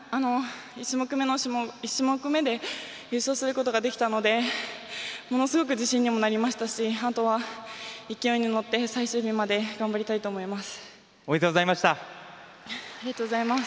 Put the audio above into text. １種目めで優勝することができたのでものすごく自信にもなりましたしあとは勢いにのって最終日まで頑張りたいと思います。